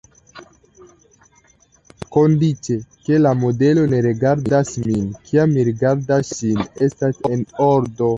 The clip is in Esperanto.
Kondiĉe, ke la modelo ne rerigardas min, kiam mi rigardas ŝin, estas en ordo.